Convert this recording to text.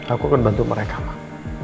aku akan bantu mereka pak